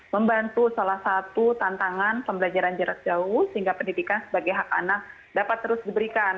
membantu salah satu tantangan pembelajaran jarak jauh sehingga pendidikan sebagai hak anak dapat terus diberikan